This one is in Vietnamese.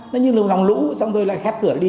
nó như là một lòng lũ xong rồi lại khép cửa đi